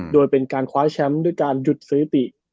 โดยเป็นการคว้าแชมป์ด้วยการหยุดสถิติ